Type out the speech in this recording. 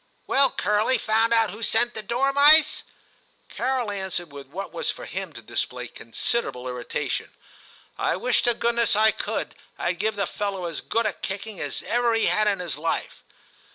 'Well, Curly; found out who sent the dormice ?* Carol answered with what was for him to display considerable irritation, * I wish to goodness I could; Td give the fellow as good a kicking as ever he had in his life.'